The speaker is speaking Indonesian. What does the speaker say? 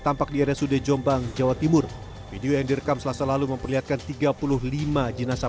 tampak di rsud jombang jawa timur video yang direkam selasa lalu memperlihatkan tiga puluh lima jenazah